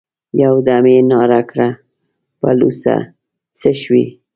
يودم يې ناره کړه: بلوڅه! څه شوې؟